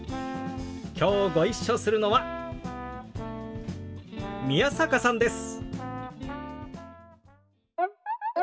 きょうご一緒するのは宮坂さんです。